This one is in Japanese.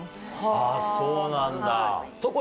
あっそうなんだ。